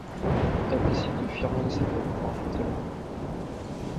Elle décide de fuir loin de sa famille pour affronter le Monde.